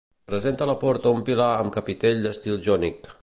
Presenta a la porta un pilar amb capitell d'estil jònic.